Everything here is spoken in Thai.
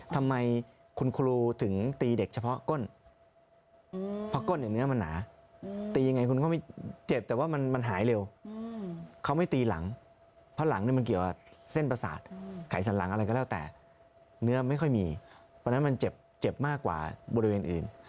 ทำไมคุณครูถึงตีเด็กเฉพาะก้นเพราะก้นเนี่ยเนื้อมันหนาตียังไงคุณก็ไม่เจ็บแต่ว่ามันหายเร็วเขาไม่ตีหลังเพราะหลังเนี่ยมันเกี่ยวกับเส้นประสาทไขสันหลังอะไรก็แล้วแต่เนื้อไม่ค่อยมีเพราะฉะนั้นมันเจ็บมากกว่าบริเวณอื่น